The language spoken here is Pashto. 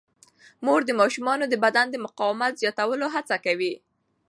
مور د ماشومانو د بدن د مقاومت زیاتولو هڅه کوي.